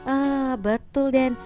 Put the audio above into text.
ah betul den